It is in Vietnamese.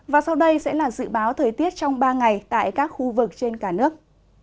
và sau đây sẽ là dự báo thời tiết trong ba ngày tại các khu vực trên cả nước